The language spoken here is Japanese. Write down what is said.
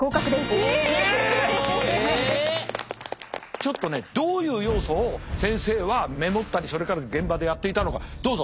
ちょっとねどういう要素を先生はメモったりそれから現場でやっていたのかどうぞ！